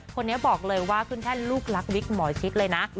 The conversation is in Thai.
คนนี้บอกเลยว่าขึ้นแท่นลูกรักวิกหมอชิคเลยนะ